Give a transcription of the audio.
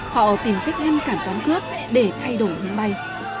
họ tìm cách lên cảng cám cướp để thay đổi hướng bay